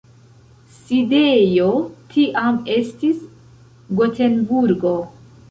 Sidejo tiam estis Gotenburgo.